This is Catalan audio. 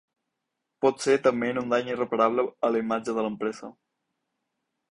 Potser també en un dany irreparable a la imatge de l’empresa.